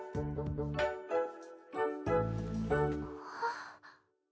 あっ。